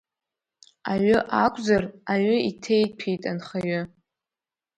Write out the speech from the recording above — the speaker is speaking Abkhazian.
Аҩы акәзар, аҩы иҭеиҭәеит анхаҩы.